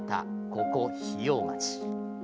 ここ日用町。